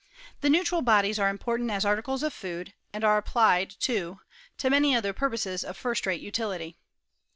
The neutral bodies are important as articles of food, and are applied, too, to many other purposes of firstrate utility.